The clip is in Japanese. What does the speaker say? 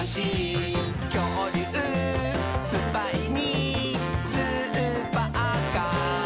「きょうりゅうスパイにスーパーカー？」